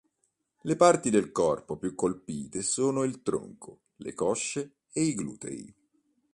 Le parti del corpo più colpite sono il tronco, le cosce e i glutei.